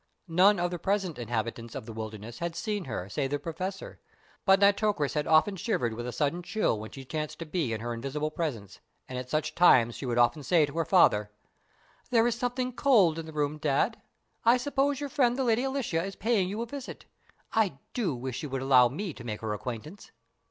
None of the present inhabitants of "The Wilderness" had seen her save the Professor, but Nitocris had often shivered with a sudden chill when she chanced to be in her invisible presence, and at such times she would often say to her father: "There is something cold in the room, Dad. I suppose your friend the Lady Alicia is paying you a visit. I do wish she would allow me to make her acquaintance."